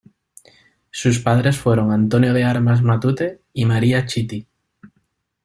Sus padres fueron Antonio de Armas Matute y María Chitty.